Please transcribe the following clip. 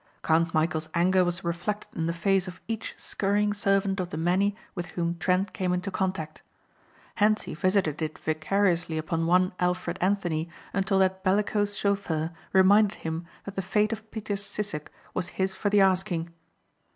Count Michæl's anger was reflected in the face of each scurrying servant of the many with whom Trent came into contact. Hentzi visited it vicariously upon one Alfred Anthony until that bellicose chauffeur reminded him that the fate of Peter Sissek was his for the asking.